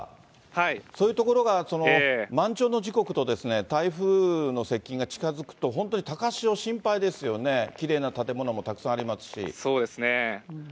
そういう所が満潮の時刻と台風の接近が近づくと本当に高潮、心配ですよね、きれいな建物もたくさそうですね。